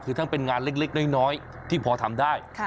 คือทั้งเป็นงานเล็กน้อยที่พอทำได้